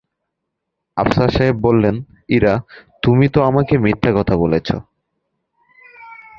আফসার সাহেব বললেন, ইরা, তুমি তো আমাকে মিথ্যা কথা বলেছ।